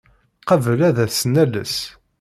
Qabel ad as-nales.